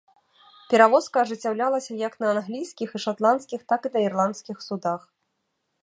Перавозка ажыццяўлялася як на англійскіх і шатландскіх, так і на ірландскіх судах.